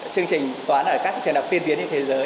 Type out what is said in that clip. chương trình toán ở các trường đại học tiên tiến trên thế giới